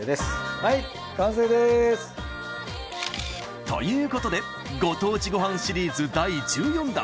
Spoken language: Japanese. はい完成です！ということでご当地ごはんシリーズ第１４弾。